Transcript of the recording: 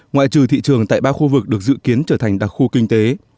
ngoại trừ thị trường tại ba khu vực được dự kiến trở thành đặc khu kinh tế